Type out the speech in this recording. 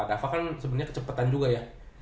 dava kan sebenernya kecepetan juga ya